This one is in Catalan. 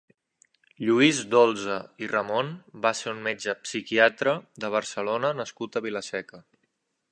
Lluís Dolsa i Ramon va ser un metge psiquiatre de Barcelona nascut a Vila-seca.